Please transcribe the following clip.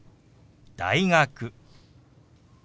「大学」。